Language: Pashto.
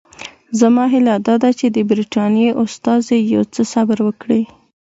زما هیله دا ده چې د برټانیې استازي یو څه صبر وکړي.